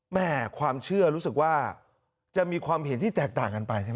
แม่ความเชื่อรู้สึกว่าจะมีความเห็นที่แตกต่างกันไปใช่ไหม